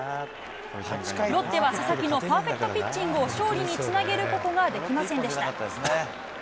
ロッテは佐々木のパーフェクトピッチングを勝利につなげることができませんでした。